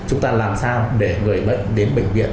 chúng ta làm sao để người bệnh đến bệnh viện